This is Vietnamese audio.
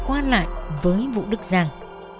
quan lại với vũ đức giang